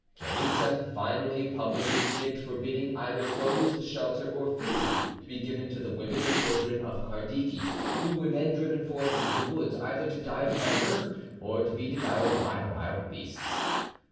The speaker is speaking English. Chainitza finally published an edict forbidding either clothes, shelter, or food to be given to the women and children of Kardiki, who were then driven forth into the woods either to die of hunger or to be devoured by wild beasts.